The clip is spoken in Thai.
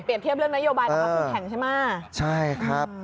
เปรียบเทียบเรื่องนโยบายของคุณแข่งใช่ไหม